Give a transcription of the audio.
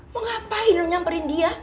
mengapain lo nyamperin dia